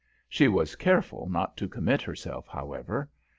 She was careful not to commit herself, however.